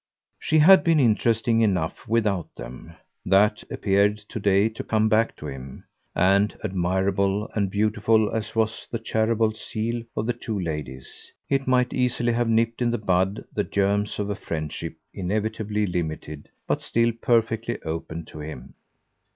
She had been interesting enough without them that appeared to day to come back to him; and, admirable and beautiful as was the charitable zeal of the two ladies, it might easily have nipped in the bud the germs of a friendship inevitably limited but still perfectly open to him.